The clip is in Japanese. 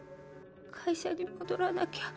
会社に戻らなきゃ。